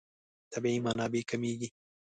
طبیعي منابع کمېږي.